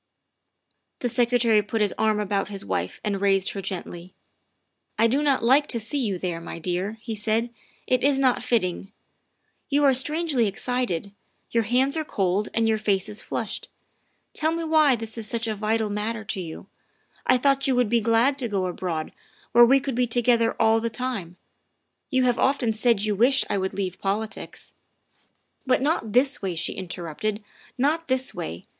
'' The Secretary put his arm about his wife and raised her gently. " I do not like to see you there, my dear," he said, "it is not fitting. You are strangely excited; your hands are cold and your face is flushed. Tell me why this is such a vital matter to you. I thought you would be glad to go abroad, where we could be together all the time. You have often said you wished I would leave politics. ''" But not this way," she interrupted. " Not this way.